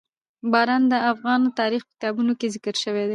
باران د افغان تاریخ په کتابونو کې ذکر شوي دي.